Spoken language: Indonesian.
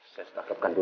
saya setakabkan dulu